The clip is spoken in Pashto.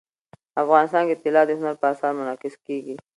افغانستان کې طلا د هنر په اثار کې منعکس کېږي.